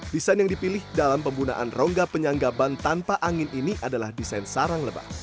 desain yang dipilih dalam pembunaan rongga penyanggaban tanpa angin ini adalah desain sarang lebar